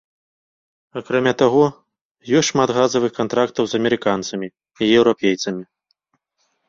Акрамя таго, ёсць шмат газавых кантрактаў з амерыканцамі і еўрапейцамі.